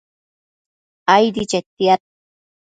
aidi chetiad